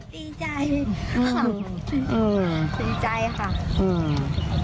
ดีใจค่ะ